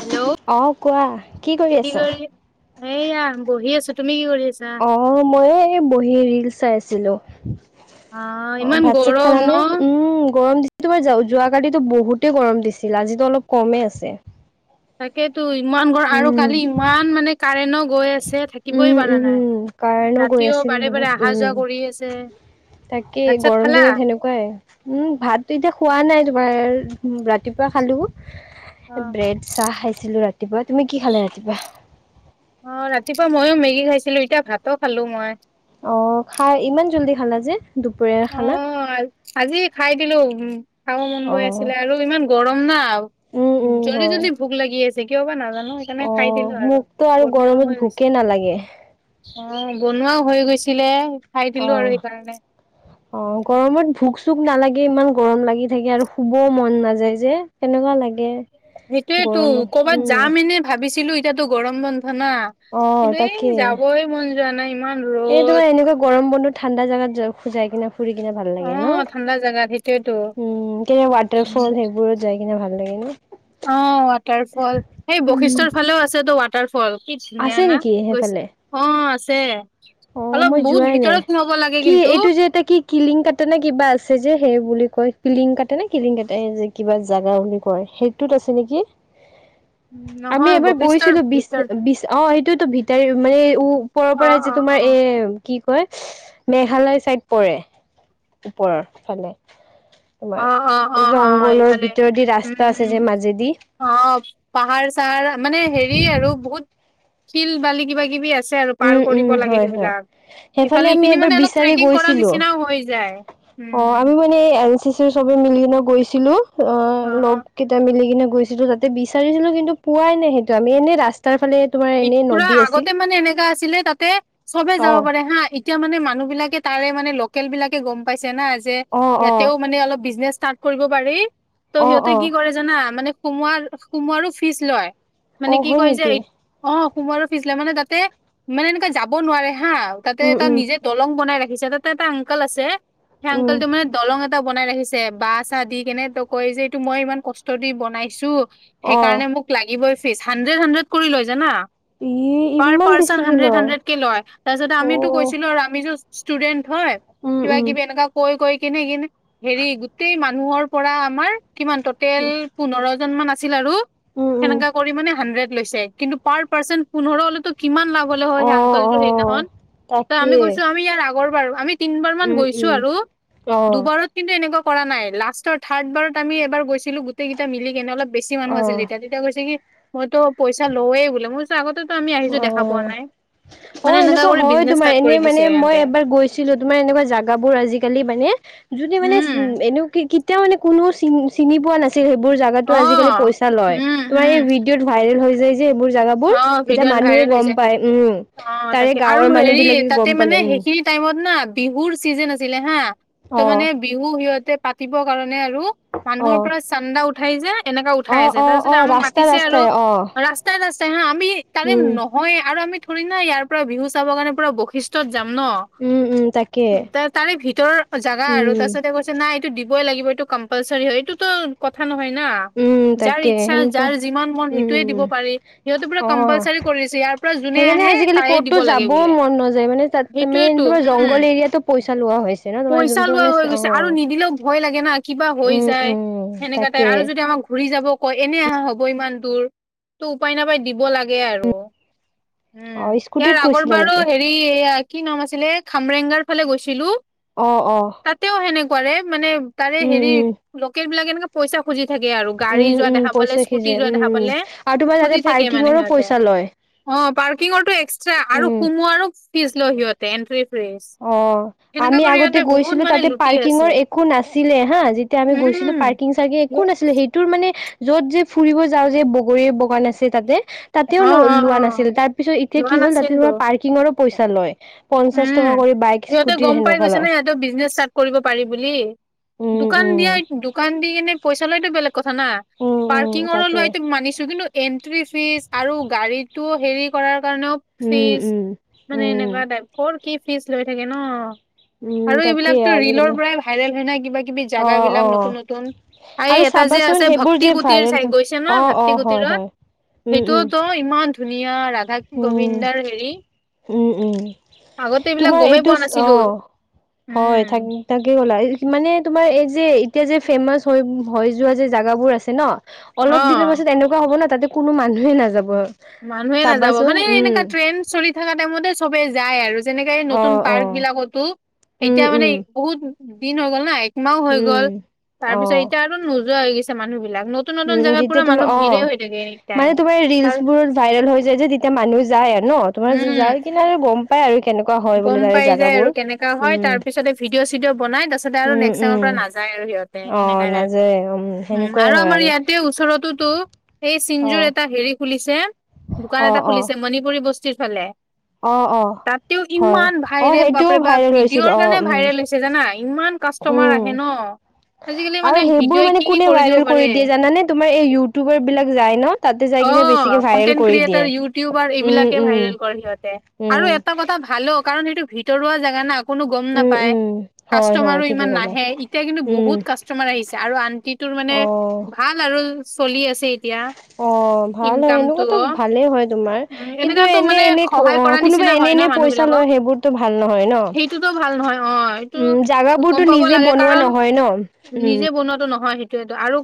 Hello অ' কোৱা কি আছা? কৰি এয়া বহি আছোঁ। অ মই এই বহি ৰিল চাই আছিলোঁ। অ অ ইমান ভাত চাত গৰম খালা নে ন উম গৰম দিছে তোমাৰ যোৱা কালি বহুতেই গৰম দিছিল আজিতো অলপ কমেই আছে। তাকেতো ইমান গৰ আৰু উম। কালি ইমান মানে কাৰেন্ট গৈ আছে। যে থাকিবই উম পাৰা উম নাই উম কাৰেণ্টো গৈ ৰাতিও আছিল বাৰে বহুত বাৰে অহা উম। যোৱা কৰি আছে তাকে ভাত চাত গৰম খালা দিনত হেনেকোৱাই উম ভাতো এতিয়া খোৱা নাই তোমাৰ ৰাতিপুৱা খালোঁ। অ ব্ৰেড চাহ খাইছিলোঁ ৰাতিপুৱা তুমি কি খালে ৰাতিপুৱা অ ৰাতিপুৱা ময়ো মেগী খাইছিলো এতিয়া ভাতো খালো মই অ খাই ইমান জল্দি খালা যে দুপৰীয়াৰ অ খানা আজি খাই দিলো উ খাব মন গৈ অ'। আছিলে আৰু ইমান গৰম ন উম উম জল্দি হয়। জল্দি ভোক লাগি আছে কি, অবা নাজানোঁ। অ মোকতো আৰু গৰমত গৈছে ভোকে নালাগে অ বনোৱাও হৈ গৈছিলে খাই দিলো অ', আৰু সেইকাৰণে অ গৰমত ভোক চোক নালাগে লাগে ইমান গৰম লাগি থাকে আৰু শুবও মন নাযায় যে কেনেকুৱা লাগে সেইটোয়েতো গৰমত কৰ'বাত উম যাম এনে ভাবিছিলো এতিয়া গৰম বন্ধ ধনা অ', কিন্তু এই তাকে। যাবই মন যোৱা নাই ইমান এই ৰ'দ তোমাৰ এনেকুৱা গৰম বন্ধু ঠাণ্ডা জাগাত খুজাই কিনে ফুৰি কিনে ভাল লাগে ন অ', ঠাণ্ডা জাগাত সেইটোয়েতো। উম কিনে ৱাটাৰ ফল সেইবোৰো যাই কিনে ভাল লাগে ন অ ৱাটাৰ ফল সেই উম। বৈশিষ্ট্যৰ ফালেও আছেটো ৱাটাৰ ফল কি ধুনীয়া আছে না নেকি গৈ সেইফালে? অ আছে অ অলপ মই বহুত যোৱাই নাই ভিতৰত হব কি এইটো যে এটা কি কিলিং কাটানা নে কিবা আছে যে সেই বুলি কয় কিলিং কাটে নে কিলিং কাটে যে কিবা জাগা বুলি কয় সেইটোত আছে নেকি আমি নহয় এবাৰ বশিষ্ঠৰ গৈছিলো বিচ ভিতৰত বিচ অ সেটোয়েতো ভিতাৰ মানে ওপৰৰ পৰা অ', যে অ', তোমাৰ এ অ', কি কয় মেঘালয় চাইদ পৰে ওপৰৰ ফালে অ', অ', তোমাৰ অ', অ', জংঘলৰ এইফালে ভিতৰদি উম, ৰাস্তা আছে উম। যে মাজেদি অ পাহাৰ চাহাৰ মানে হেৰি আৰু বহুত শিল বালি কিবা কিবি আছে আৰু পাৰ উম উম কৰিব লাগে হয় হয় সেইবিলাক সেইফালে আমি এইখিনি এবাৰ মানে অলপ বিচাৰি ট্ৰেকিং কৰাৰ গৈছিলো নিচিনাও হৈ যায়। অ উম, আমি উম। মানে এই এল চি চি চবে মিলিকেনে গৈছিলো অ লগ অ'। কেইটা মিলি কিনে গৈছিলোঁ তাতে বিচাৰিছিলোঁ কিন্তু পোৱাই নাই সেইটো আমি এনে ৰাস্তাৰ ফালে তোমাৰ এনেই নদী আছিল। ছিলে তাতে চবে অ যাব পাৰে হা এতিয়া মানে মানুহ বিলাকে তাৰে মানে লোকেল বিলাকে গম পাইছে চেনা যে অ অ ইয়াতেও মানে অলপ বিজনেচ ষ্টাৰ্ট কৰিব পাৰি ত' অ সিহঁতে অ কি কৰে জানা মানে সোমোৱাৰ সোমোৱাৰো ফিজ লয় মানে অ কি হয় কয় যে নেকি অ সোমোৱাৰো ফিজ লৈ মানে তাতে মানে এনেকা যাব নোৱাৰে হা তাতে উম এটা উম নিজে দলং বনাই ৰাখে ৰিজৰ্টত এটা আংকল আছে সেই উম আংকালটো মানে দলং এ বনাই ৰাখিছে বাহ চাহ দি কেনে তই কৈ যে এইটো মই ইমান কষ্ট দি বনাইছোঁ অ সেইকাৰণে মোক লাগিবই ফিজ হান্ড্ৰেড হান্ড্ৰেড কৰি লয় জানা। ই পাৰ ইমান পাৰ্চেন্টে বেছিকে হান্ড‌্ৰেড লয় হান্ড্ৰেড কে লয় তাৰপিছ অ আমিতো কৈছিলো আৰু আমি ষ্টুডেন্ট হয় উম কিবা উম কিবি এনেকুৱা কৈ কৈ কেনে কেনে হেৰি গোটেই মানুহৰ পৰা আমাৰ কিমান টটেল পোন্ধৰ জন মান আছে আৰু উম উম সেনেকা কৰি মানে হানড্ৰেট লৈছে কিন্তু পাৰ‌ পাৰ্চেন্ট পোন্ধৰ হলে কিমান লাভলৈ হয় অ সেই অ আংকলটোৰ সেইদিনাখন ত আমি তাকে গৈছো আমি ইয়াৰ আগৰ বাৰু আমি তিন বাৰ মান উম গৈছো উম আৰু অ দুবাৰত কিন্তু এনেকুৱা কৰা নাই লাষ্টৰ থাৰ্ড বাৰত আমি এবাৰ গৈছিলো গোটেইকেইটা মিলি কেনে অল বেছি মানুহ অ আছিল তেতিয়া তেতিয়া কৈছে কি মইতো পইচা লয়ে বোলে মই আগতো আমি আহিছো দেখা অ পোৱা নাই অ মানে এনেকা এনেকুৱা কৰি হয় বিজনেচ তোমাৰ ষ্টাৰ্ট কৰি এনে দিছে মানে মই ইহঁতে। এবাৰ গৈছিলো তোমাৰ এনেকুৱা জাগাবোৰ আজিকালি মানে যদি মানে উম, উ এনে কেতিয়াও মানে কোনো চিন চিনি পোৱা নাছিল ছিল হেইবোৰ জাগাটো আজি কালি অ', পইচা লয় উম, তোমাৰ উম, এই ভিডিত ভাইৰেল হৈ যায় যে সেইবোৰ জাগাবোৰ অ', তেতিয়া ভিডিঅ'ত মানুহে ভাইৰেল গম হৈছে। পায় উম অ', তাৰে তাকে আৰু গাঁৱৰ হেৰি মানুহ বিলাকে তাতে গম মানে পালে উম সেইখিনি টাইমত না বিহুৰ চিজন আছিলে হা ত অ মানে বিহু সিহতে পাতিবৰ কাৰণে মানে আৰু অ মানুহৰ পৰা চান্দা উঠাই যে এনেকা অ উঠাই আছে অ অ তাৰপিছতে আমাক ৰাস্তা মাতিছে আৰু ৰাস্তাই অ ৰাস্তাই ৰা্ত হা আমি তাৰে উম নহয় আৰু আমি ধৰি না ইয়াৰ পৰা বিহু চাব কাৰণে পৰা বৈশিষ্টয় যাম ন উম উম তাকে উ ত তাৰে ভিতৰৰ জাগা আৰু উম তাৰ পিছতে কৈছে নাই এইটো দিবই লাগিব কম্পালচাৰী হয় এইটো কথা নহয় না উম যাৰ তাকে ইচ্ছা সেনেকুৱা যাৰ যিমান মন সেইটোয়ে দিব উম পাৰি সিহঁত পুৰা অ কম্পালচাৰী কৰিছে ইয়াৰ পৰা যোনে সেইকাৰণে আহে আজিকালি তাই দিব ক'তো লাগে যাবও বোলে মন নাযায় মানে তাত মানে সেইটোয়েটো তোমাৰ জংঘল এৰিয়াতো পইচা লোৱা হৈছে ন তোমাৰ পইচা যোনটো লোৱা মানে হৈ অ গৈছে আৰু নিদিলেও ভয় লাগে ন কিবা হৈ উম যায় উম সেনেকা তাই তাকে আৰু যদি আমাৰ ঘ ঘুৰি যাব কয় এনে অহা হ'ব ইমান দূৰতো উপায় নাপায় দিব লাগে আৰু উম অ ইয়াৰ স্কুটিত আগৰ গৈছিলা বাৰো নেকি হেৰি এয়া কি নাম আছিলে খামৰেংগাৰ ফালে গৈছিলোঁ। আহ অ মানে তাৰে উম হেৰি উম লোকেল বিলাকে এনেকে পইচা খুজি থাকে আৰু গাড়ী উম যোৱা উম দেখা পালে পইচা স্কুটি সিজে যোৱা উম দেখা উম পালে আৰু তোমাৰ তাতে খুজি থাকে মানে পাৰ্কিঙৰো সিহঁতে পইচা লয় অ পাৰ্কিঙৰটো এক্সট্ৰা আৰু উম সোমোৱাৰ ফিছ লয় সিহঁতে এণ্ট্ৰি অ আমি আগতে বহুত গৈছিলো মানে তাতে লুটি পাৰ্কিঙৰ আছে একো নাছিলে হা যেতিয়া আমি গৈ গৈছিলো উম পাৰ্কিং চাৰ্কিং একো নাছিলে সেইটোৰ মানে য'ত যে ফুৰিব যাওঁ যে বগৰীৰ বাগান আছে তাতে তাতেও অ অ অ লোৱা নাছিল তাৰ পিছত এতিয়া লোৱা কি হ'ল তাতে নাছিলতো তোমাৰ পাৰ্কিঙৰো পইচা লয় পঞ্চাশ উম টকা কৰি বাইক সিহঁতে স্কুটিৰ গম পাই সেনেকুৱা গৈছে না লয় সিহঁতেৰ বিজনেছ ষ্টাৰ্ট কৰিব পাৰি বুলি উম, দোকান উম, দিয়া দোকান দি কেনে পইচা লৈতো বেলেগ কথা না উম, উম, পাৰ্কিংৰ তাকে মানিছো কিন্তু এ এন্ট্ৰি ফ্ৰিজ আৰু গাড়ীটো হেৰি কৰাৰ কাৰণেও উম, ফিজ উম, মানে উম, এনেকুৱা টাইপ কৰ কি ফিজ লৈ থাকে ন উম, আৰু তাকেই এইবিলাকতো ৰিলৰ আজিকালি পৰাই ভাইৰেল হয় নাই কিবা কিব কিবি জোগ অ', বিলাক অ', নতুন নতুন এই আৰু এটা যে চাবাচোন আছে সেইবোৰ ভক্তি যে কুটিৰ ভাইৰেল চাই হয় গৈছে ন অ', ভক্তি অ', হয়, কুটিৰত হয়, উম, উম, সেইটোতো ইমান ধুনীয়া ৰাধা উম, গোবিন্দাৰ হেৰি উম, উম। আগতে এইবিলাক তোমাৰ গমেই এইটো পোৱা অ নাছিলো হয় থাক উম তাকে কলা মানে তোমাৰ এই যে এতিয়া যে ফেমাচ হৈ যোৱা যে জাগাবোৰ আছে ন অলপ দিনৰ অ পাছত এনেকুৱা হ'ব না তাতে কোনো মানুহে নাযাব মানুহে নাযাব চাবাচোন মানে উম এনেকা ট্ৰেন চৰিত থকা টাইমতে সবে যায় আৰু যেনেকে অ নতুন অ পাৰ্ক বিলাকতো উম এতিয়া মানে উম বহুত দিন হৈ গ'ল ন একমাহ হৈ উম গ'ল তাৰ অ পিছত এতিয়া আৰু নোযোৱা হৈ গৈছে মানুহ বিলাক নতুন নতুন উম জাগাৰ পুৰা যেতিয়া মানুহ তোমাৰ অ ভিৰে হৈ থাকে মানে এনিটাইম তোমাৰ ৰিলচ আৰু বোৰ ভাইৰেল হৈ যায় যে তেতিয়া মানুহ যায় আৰু ন তোমাৰ উম যায় কিনে আৰু গম পাই আৰু কেনেকুৱা হয় বোলে গ'ম তাৰে পাই যাই জাগাবোৰ আৰু কেনেকা হয় উম তাৰ পিছতে ভিডিঅ' চিডিঅ' বনাই তাপিছতে আৰু উম নেক্স টাইমৰ উম পৰা নাযায় আৰু সিহত অ এনে নাযায় উম সেনেকুৱাই আৰু হয় আমাৰ ইয়াতে ওচৰতো টো এই অ চিংজোৰ এটা হেৰি খোলিছে দোকান অ এটা অ খোলিছে মণিপুৰী বস্তু, পিঠিৰফালে [unintelligible] অ অ হয় অ ভাইৰেল সেইটোও বাপৰে বা ভাইৰেল হৈছিল ভিডিঅ'ৰ অ কাৰণে উম ভাইৰেল হৈছে জানা ইমান কাষ্টমাৰ উম, আহে ন, আজিকালি আৰু মানে সেইবোৰ ভিডিঅ'ই মানে কি কি কোনে দিব ভাইৰেল কৰি পাৰে দিয়ে জানানে তোমাৰ এই ইউটিউবাৰ বিলাক যায় ন তাতে য অ কনটেন্ট ক্ৰিয়েটাৰ ইউটিউবাৰ উম, এইবিলাকে উম, ভাইৰেল কৰে সিহঁতে উম, আৰু এটা কথা ভালো কাৰণ সেইটো ভিতৰুৱা জেগা না কোনো গম উম, নাপায়। উম, হয়, হয়, কাষ্টমাৰো ঠিকেই ইমান ক'লা। নাহে এতিয়া কিন্তু উম, বহুত কাষ্টমাৰ আহিছে আৰু আন্টিটোৰ মানে অ', ভাল আৰু চলি আছে এতিয়া অ', ভাল হয় ইনকামতটো এনেকুৱাতো অ ভালেই হয় তোমাৰ। উ কিন্তু এনেকা টো এনে মানে এনে সহায় অ কৰা কোনোবা নিচিনা এনে হয় ন এনে মানুহ পইচা বিলাকক লয় সেইবোৰতো ভাল নহয় ন। সেইটো টো ভাল নহয় অ সেইটো উম, গম জাগাবোৰতো পাব নিজে লাগে, বনোৱা কাৰণ নহয় ন উম, নিজে বনোৱাটো নহয় সেইয়টো আৰু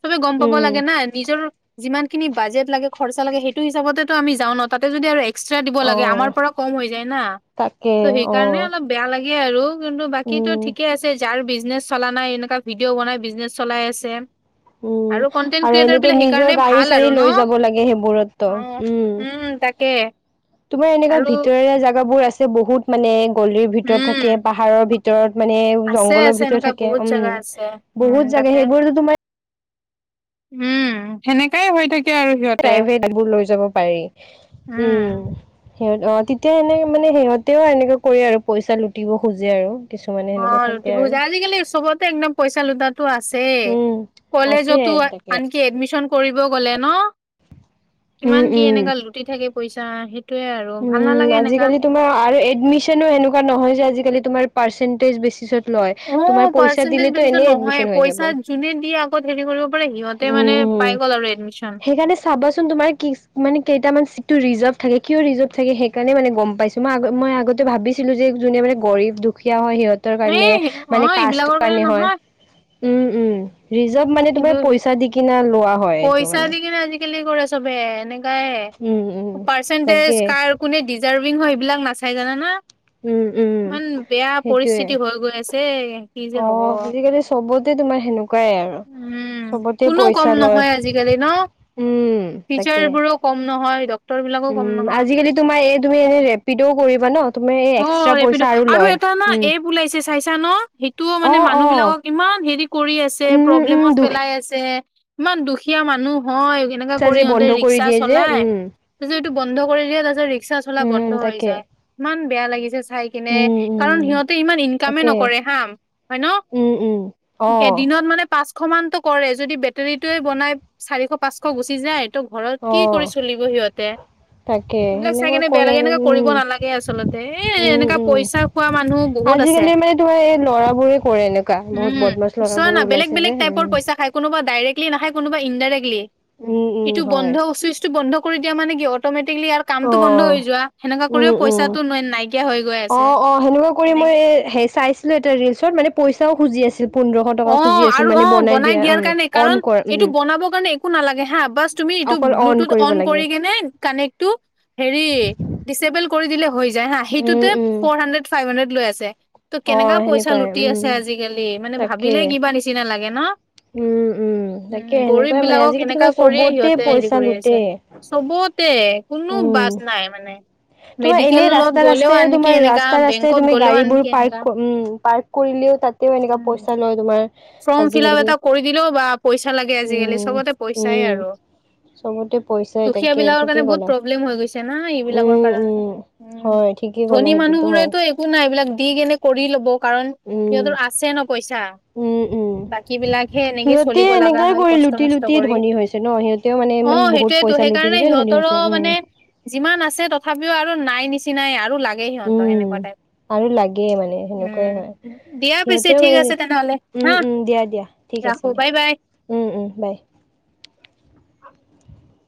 চবে গম পাব উম, লাগে না নিজৰ যিমান খিনি বাজেট লাগে খৰচা লাগে সেইটো হিচাপতেতো আমি যাওঁ ন তাতে যদি আৰু এক্সট্ৰা দিব লাগে আমাৰ অ', পৰা কম হৈ যায় না তাকে ত' সেইকাৰণে অ'। অলপ বেয়া লাগে আৰু কিন্তু বাকী উম ঠিকে আছে যাৰ বিজনেছ চলা নাই এনেকুৱা ভিডিঅ' বনাই বিজনেছ চলাই আছে উম আৰু কনটেন্ট আৰু ক্ৰিয়েটাৰ এনেতো বিলাক নিজৰ সেইকাৰণে গাড়ী ভাল চাড়ী আৰু ন লৈ যাব লাগে সেইবোৰতো অ উ উম তাকে তোমাৰ এনেকুৱা আৰু ভিতৰিয়া জেগাবোৰ আছে বহুত মানে কলিৰ ভিতৰত থাকে উম পাহাৰৰ ভিতৰত মানে আছে জংঘলৰ আছে ভিতৰত এনেকা থাকে বহুত উম জেগা আছে উম বহুত থাকে তাতে সেইবোৰ তোমাৰ উম সেনেকাই হৈ থাকে আৰু সিহঁতে। প্ৰাইভেটবোৰ লৈ যাব পাৰি, উম। সিহঁত অ, তেতিয়া এনেে মানে সিহঁতেও এনেকে কৰে আৰু পইচা লুটিব খোজে আৰু। কিছুমানে অ, সেনেকুৱা থাকে লুটিব আৰু খুজা আজিকালি চবতে একদম পইচা লুতাতটো আছেই। উম আছে কলেজতো তাকে আনকি এডমিশন কৰিব গলে ন, উম কিমান কি উম এনেকা লুটি থাকে পইচা। সেইটোয়ে আৰু ভাল উম, নালাগে এনেকা। আজিকালি তোমাৰ আৰু এডমিশনো এনেকোৱা নহয় যে আজিকালি তোমাৰ পাৰ্চেন্টেজ‌ বেছিছত লই, অ' তোমাৰ পইছা পাৰ্চেন্টেজ দিলে টো বেচিছত ইনেই নহয় এদমিচন হৈ যাব, পইচা ওহ যোনে দিয়ে ক'ত হেৰি কৰিব পাৰে সিহঁতে মানে উম পাই গ'ল আৰু এডমিচন। সেইকাৰণে চাবাচোন তোমাৰ কি মানে কেইটামান চিটটো ৰিজাৰ্ভ থাকে। কিয় ৰিজাৰ্ভ থাকে সেইকাৰণে মানে গম পাইছো। মই মই আগতে ভাবিছিলো যে যোনে মানে গৰীব দুখীয়া হয় সিহঁত কাৰণে এই অ' মানে কাষ্ট এইবিলাকৰ কাৰণে হয় নহয় উম, উম ৰিজাৰ্ভ মানে কিন্তু তোমাৰ পইচা দি কিনা লোৱা হয়, এইটো পইচা মানে। দি কিনে আজিকালি কৰে চবে এনেকাই উম, উম, পাৰ্চেন্টেজ তাকে কাৰ কোনে দি হয় এইবিলাক নাচাই জানে না? উম, উম, ইমান বেয়া সেইটোৱে। পৰিস্থিতি হৈ গৈ আছে কি যে হব। ত, তোমাৰ সেনেকুৱাই আৰু। উম চবতে কোনো কম পইচা লয় নহয় আজিকালি ন উম টিচাৰ তাকে। বোৰো কম নহয় ডক্তৰ বিলাকো কম উম, নহয় আজিকালি তোমাৰ এই তুমি এনে ৰেপিডোও কৰিবা ন? তুমি এই অ এক্সট্ৰা ৰেপিড' পইচা আৰু লয় এটা না উম। এপ ওলাইছে চাইছা ন সেইটোও অ মানে অ মানুহ বিলাকক ইমান হেৰি কৰি আছে উম উম প্ৰব্লেমত দুখী পেলাই আছে। ইমান দুখীয়া মানুহ হয় এনেকা পইচা কৰি যে সিহঁতে বন্ধ কৰি ৰিক্সা দিয়ে যে চলাই উম তাৰপিছত এইটো বন্ধ কৰি দিয়ে তাৰপিছত ৰিক্সা চলা উম বন্ধ হৈ তাকে যায় ইমান বেয়া লাগিছে। চাই কিনে উম উম কাৰণ সিহঁতে ইমান ইনকামে তাকে নকৰে হা। হয় ন? উম উম অ এদিনত মানে পাঁচ শ মানতো কৰে। যদি বেটেৰীটোৱে বনাই চাৰিশ পাঁচশ গুচি যায় ত ঘৰত অ কি কৰি চলিব সিহঁতে। তাকে সেইবিলাক চাই সেনেকুৱা কেনে বেয়া কৰে লাগে আৰু এনেকাে কৰিব উম নালাগে আচলতে। এ, উম এনেকা উম পইচা খোৱা মানুহ বহুত আছে। আজিকালি মানে তোমাৰ এই ল'ৰাবোৰে কৰে এনেকুৱা বহুত উম, বদমাছ চোৱা ল'ৰাবোৰ না বেলেগ ওলাইছে বেলগ যে টাইপৰ উম পইছা কোনবাাইৰেক্লি নাায় কোনোবানডাইৰেকটলি উম উম এইটো হয়। বন্ধ চুইচটো বন্ধ কৰি দিয়া মানে কি অটমেটিকলি কামটো বন্ধ হৈ অ'। যোৱা। সেনেককা কৰিও উম উম। পইচা অ, অ সেনেকুৱা কৰি মই এনেকে এ চাইছিলো এটা ৰিলচত মানে পইচাও খুজি আছিল। পোন্ধৰশ অ, টকা খুজি আছিল আৰু অ, মানে বনাই দিয়া দিয়াৰ উম কাৰণে অন কাৰণ কৰা উম এইটো বনাবৰ কাৰণে একো নালাগে হা বাছ তুমি এইটো অকল বুলুটোব কৰিব অন লাগে। কৰি কিনে কানেকটো হেৰি দিচিবুল কৰি দিলে হৈ যায় হা, উম সেইটোতে উম ফ'ৰ হাড্ৰেড ফাইভ হাড্ৰেড লৈ আছে। ত' কেনেকা অ', পইচা সেনেকুৱাই লুটি আছে উম আজিকালি। মানে তাকে। ভাবিলে কিবা নিচিনা লাগে ন? উম, উম। উম, তাকে গৰীব সেনেকুৱাই মানে বিলাকক আজিকালি এনেককা তোমাৰ কৰিয়ে চবতে সিহঁতে হেৰি পইচা কৰি লুটে। আছে চবতে। কোনো উম। বাছ নাই মানে। তোমাৰ এনে মেডিকেলত গ'লেও ৰাস্তা-ৰাস্তাই আনকি তোমাৰ এনেকা ৰাস্তা ৰাস্তাই বেংকত তুমি গ'লেও গাড়ীবোৰ আনকি এনেকা পাৰ্ক উ পাৰ্ক কৰি তাও এনেকুৱা উম পইচা লয় তোমাৰ। ফৰ্ম ফিল আপ আজিকালি। এটা কৰি দিলেও বা পইচা লাগে আজিকালি। উম, চবতে পইচাই উম, আৰু। চবতে পইচাই দুখীয়া তাকে বিলাকৰ কাৰণে ঠিকেই বহুত ক'লা। প্ৰব্লেম হৈ গৈছে না এইবোৰ। বিলাকৰ কাৰণে উম, হয় ঠিকেই ক'লা ধনী মানুহ সেইটোতো হয়। বোৰেতো একো নাই এইবিলাক। দি কেনে কৰি ল'ব কাৰণ উম, সিহঁতৰ আছে ন পইচা। উম, উম। বাকী বিলাকহে এনেকে সিহঁতে চলিব লগা এনেকাই হয় কৰি লুটি কষ্ট-মষ্ট লুটিয়ে কৰি ধনী হৈছে ন সিহঁতেও মানে অ, ইমান সেইটো বহুত সেইটো পইচা লুটি সেইকাৰণে লুটিয়ে ধনী সিহঁতৰো হৈছে। উম, মানে যিমান আছে তথাপিও আৰু নাই নিচিনাই আৰু। লাগে সিহত উম, সনেকা টাইপ। আৰু লাগেই মানে সেনেকুৱাই হয়, উম দিয়া পিছে সিহঁতেও ঠিক মানে আছে তেনেহলে হা মম দিয়া দিয়া ঠিক আছে ৰাখো বাই বাই দিয়া বাই।